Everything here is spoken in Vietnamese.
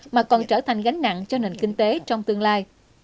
mà còn trở thành gánh nặng cho nền kinh tế trong tương lai